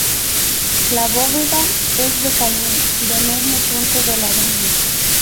La bóveda es de cañón, de medio punto de ladrillo.